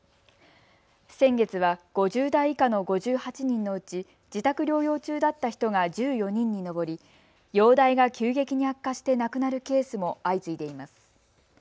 先月は５０代以下の５８人のうち自宅療養中だった人が１４人に上り容体が急激に悪化して亡くなるケースも相次いでいます。